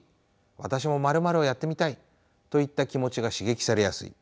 「私も○○をやってみたい！」といった気持ちが刺激されやすい。